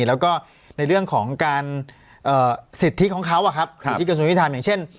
แล้วก็ในเรื่องของการสิทธิของเขาอะครับอย่างเช่น